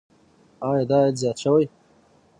آیا دا عاید زیات شوی؟